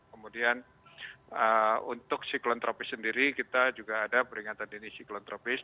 kemudian untuk siklon tropis sendiri kita juga ada peringatan dini siklon tropis